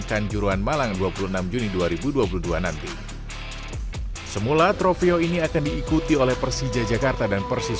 kanjuruan malang dua puluh enam juni dua ribu dua puluh dua nanti semula trofio ini akan diikuti oleh persija jakarta dan persis